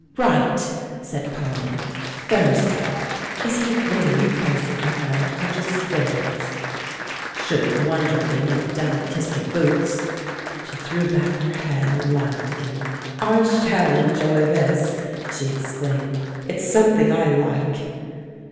"Right," said Polly. "Thursday. Is he really crazy for her, or just spoons?" "Shouldn't wonder if he knelt down and kissed your boots." She threw back her head and laughed again. "I shall enjoy this," she exclaimed. "It's something I like!"